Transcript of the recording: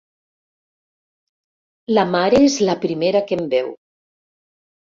La mare és la primera que em veu.